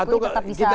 diikuti kerjaan partai